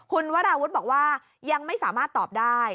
คุณวาราวุธศิลปะอาวุธบอกว่ายังไม่สามารถตอบได้